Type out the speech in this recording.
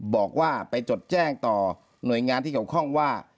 บอกว่าไปจดแจ้งต่อหน่วยงานที่เกี่ยวข้องว่า